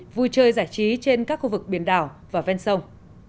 vui chơi giải trí trên các khu vực biển đảo và ven sông